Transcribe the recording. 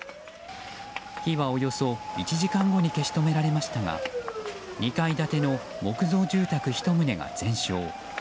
火はおよそ１時間後に消し止められましたが２階建ての木造住宅１棟が全焼。